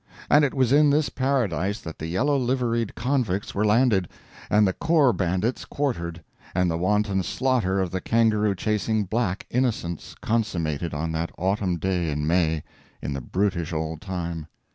And it was in this paradise that the yellow liveried convicts were landed, and the Corps bandits quartered, and the wanton slaughter of the kangaroo chasing black innocents consummated on that autumn day in May, in the brutish old time.